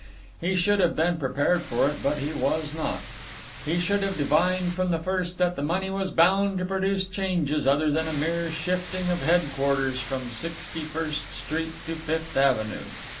He should have been prepared for it, but he was not. He should have divined from the first that the money was bound to produce changes other than a mere shifting of headquarters from Sixty First Street to Fifth Avenue.